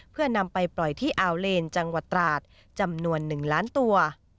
เพื่อนำไปปล่อยที่อาวเลนจังหวัดตราดจำนวน๑ล้านตัว